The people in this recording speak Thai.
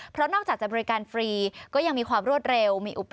เพราะนอกจากจะบริการฟรีก็ยังมีความรวดเร็วมีอุป